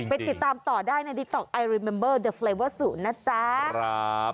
ไปติดตามต่อได้ในดิท็อกไอรีเมมเบอร์เดอะเฟลเวอร์ศูนย์นะจ๊ะ